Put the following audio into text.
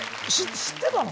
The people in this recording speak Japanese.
知ってたの？